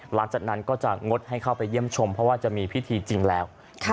หลังจากนั้นก็จะงดให้เข้าไปเยี่ยมชมเพราะว่าจะมีพิธีจริงแล้ว